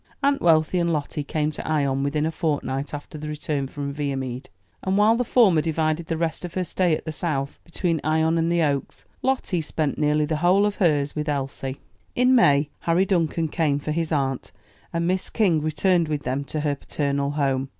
Aunt Wealthy and Lottie came to Ion within a fortnight after the return from Viamede; and while the former divided the rest of her stay at the South between Ion and the Oaks, Lottie spent nearly the whole of hers with Elsie. In May, Harry Duncan came for his aunt, and Miss King returned with them to her paternal home.